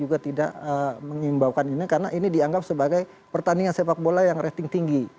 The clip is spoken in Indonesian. juga tidak mengimbaukan ini karena ini dianggap sebagai pertandingan sepak bola yang rating tinggi